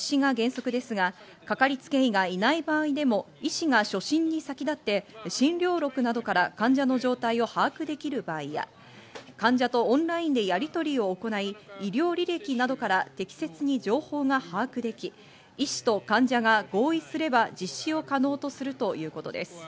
かかりつけ医による実施が原則ですが、かかりつけ医がいない場合でも医師が初診に先立って、診療録などから患者の状態を把握できる場合や、患者とオンラインでやりとりを行い、医療履歴などから適切に情報が把握でき、医師と患者が合意すれば実施を可能とするということです。